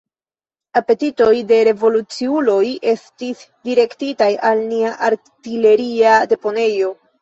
Apetitoj de revoluciuloj estis direktitaj al nia artileria deponejo.